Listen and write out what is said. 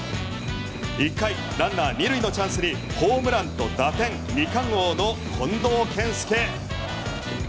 １回、ランナー２塁のチャンスでホームランと打点２冠王の近藤健介。